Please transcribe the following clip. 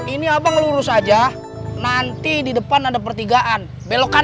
ini abang lurus aja nanti di depan ada pertigaan belokan